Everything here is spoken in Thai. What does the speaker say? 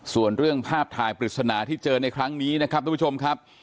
ส่วนเรื่องภาพทายปริศนาที่เจอนี้นะครับท่านผู้ชมครับ